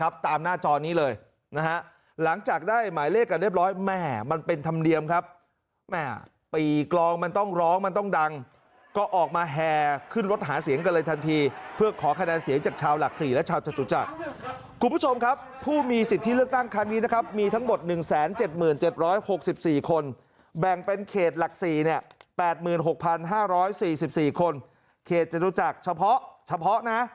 แบ่งเป็นเขตหลักศรีเนี่ยแปดหมื่นหกพันห้าร้อยสิบสี่คนเขตเจตุจักรเฉพาะเฉพาะนะ